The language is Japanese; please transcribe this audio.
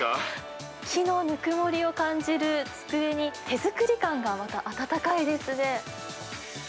木のぬくもりを感じる机に、手作り感がまた温かいですね。